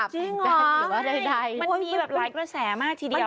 จริงเหรอมันมีแบบหลายกระแสมากทีเดียว